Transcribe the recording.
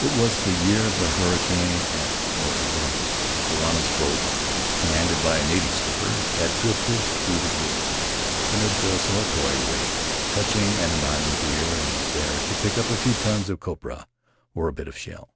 "It was the year of the hurricane at Motutangi. Varana's boat, commanded by a native skipper, had drifted through the group in a desultory way, touching at an island here and there to pick up a few tons of copra or a bit of shell.